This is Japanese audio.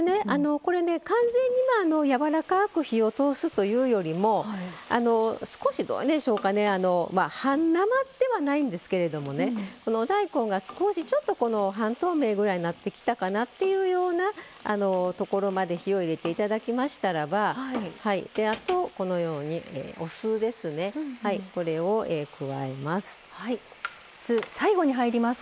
これ、完全にやわらかく火を通すというよりも少し半生ではないんですけれどもお大根が少し半透明になってきたかなっていうようなところまで火を入れていただきましたらばお酢ですね、これを加えます。